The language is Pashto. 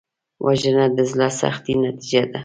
وژنه د زړه سختۍ نتیجه ده